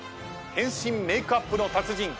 変身メークアップの達人。